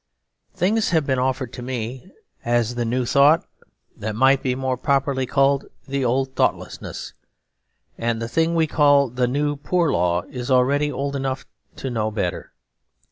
Things have been offered to me as the new thought that might more properly be called the old thoughtlessness; and the thing we call the New Poor Law is already old enough to know better.